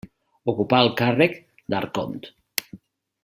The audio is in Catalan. Ocupà el càrrec d'arcont.